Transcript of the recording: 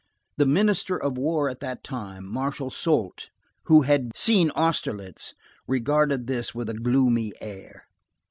The Minister of War at that time, Marshal Soult, who had seen Austerlitz, regarded this with a gloomy air.